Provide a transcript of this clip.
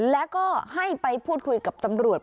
แล้วก็ให้ไปพูดคุยกับตำรวจ